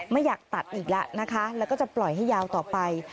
ไม่อยากตัดอีกแล้วนะคะแล้วก็จะปล่อยให้ยาวต่อไป